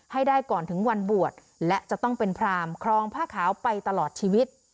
ให้ได้ก่อนถึงวันบวชและจะต้องเป็นพรามครองผ้าขาวไปตลอดชีวิต